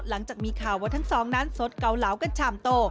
หลังจากมีข่าวว่าทั้งสองนั้นสดเกาเหลากันชามโต